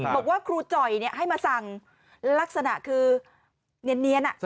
บอกว่าครูจ่อยให้มาสั่งลักษณะคือเนียน